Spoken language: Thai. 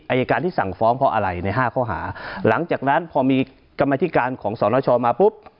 อายการที่สั่งฟ้องเพราะอะไรในห้าข้อหาหลังจากนั้นพอมีกรรมธิการของสรณชอมาปุ๊บ